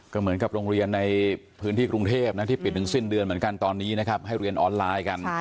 ก็เหมือนกับโรงเรียนในพื้นที่กรุงเทพนะที่ปิดถึงสิ้นเดือนเหมือนกันตอนนี้นะครับให้เรียนออนไลน์กัน